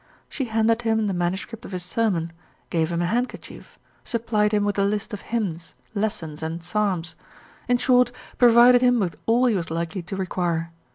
She handed him the manuscript of his sermon, gave him a handkerchief, supplied him with a list of hymns, lessons, and psalms; in short provided him with all he was likely to require.